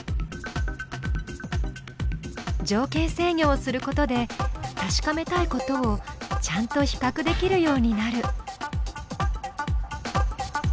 「条件制御」をすることで確かめたいことをちゃんと比較できるようになる。